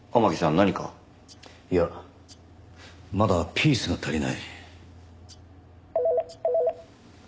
いやまだピースが足りない。